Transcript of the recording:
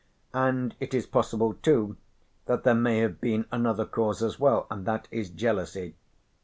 And it is possible, too, that there may have been another cause as well, and that is jealousy.